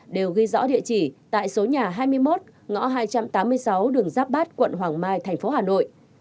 đều ghi rõ địa chỉ tại số nhà hai mươi một ngõ hai trăm tám mươi sáu đường giáp bát quận hoàng mai thành phố hà nội